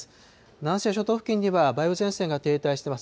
南西諸島付近には、梅雨前線が停滞しています。